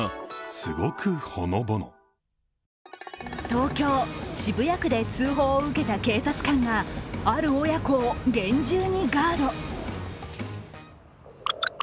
東京・渋谷区で通報を受けた警察官が、ある親子を厳重にガード。